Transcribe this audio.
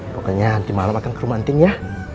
pokoknya nanti malam akan ke rumah ting ya